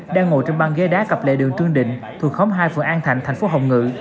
đang ngồi trong băng ghế đá cập lệ đường trương định thuộc khóm hai phường an thạnh thành phố hồng ngự